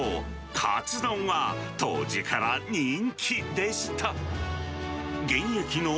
かつ丼は当時から人気でした。